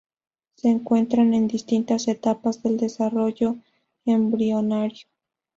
Se encuentran en distintas etapas del desarrollo embrionario.